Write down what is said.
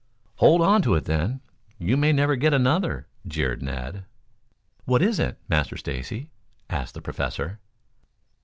"Hold on to it, then. You may never get another," jeered Ned. "What is it, Master Stacy?" asked the Professor.